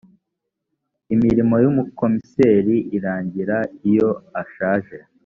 imirimo y’umukomiseri irangira iyo ashaje